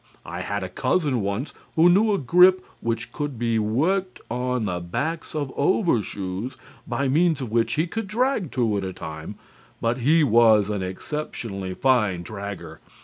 I had a cousin once who knew a grip which could be worked on the backs of overshoes, by means of which he could drag two at a time, but he was an exceptionally fine dragger.